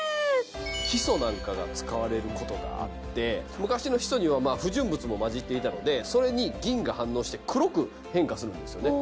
ヒ素なんかが使われることがあって昔のヒ素には不純物もまじっていたのでそれに銀が反応して黒く変化するんですよね。